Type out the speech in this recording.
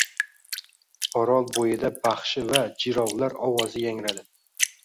Orolbo‘yida baxshi va jirovlar ovozi yangradi